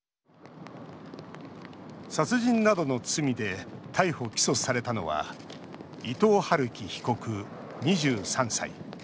殺人などの罪で逮捕・起訴されたのは伊藤龍稀被告、２３歳。